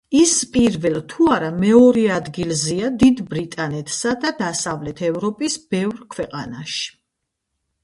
ის პირველ თუ არა, მეორე ადგილზეა დიდ ბრიტანეთსა და დასავლეთ ევროპის ბევრ ქვეყანაში.